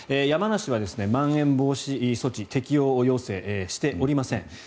山梨はまん延防止措置適用要請、しておりません。